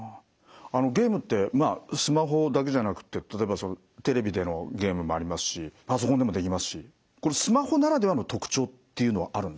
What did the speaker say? ゲームってスマホだけじゃなくて例えばそのテレビでのゲームもありますしパソコンでもできますしこれスマホならではの特徴っていうのはあるんですか？